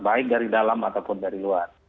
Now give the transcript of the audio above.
baik dari dalam ataupun dari luar